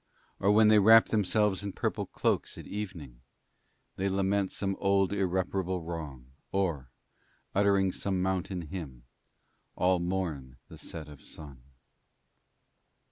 Or when they wrap themselves in purple cloaks at evening, they lament some old irreparable wrong, or, uttering some mountain hymn, all mourn the set of sun.'